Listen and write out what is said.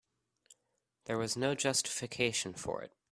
There was no justification for it.